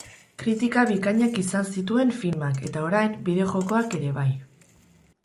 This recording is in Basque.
Kritika bikainak izan zituen filmak eta, orain, bideo-jokoak ere bai.